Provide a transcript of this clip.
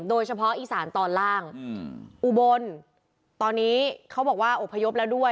โดยเฉพาะอีสานตอนล่างอืมอุบลตอนนี้เขาบอกว่าอบพยพแล้วด้วย